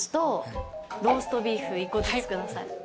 １個ずつ下さい。